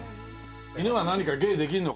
犬は何か芸できるの？